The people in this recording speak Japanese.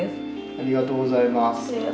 ありがとうございます。